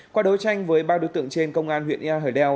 qua đối tranh với ba đối tượng trên công an huyện yà hời đeo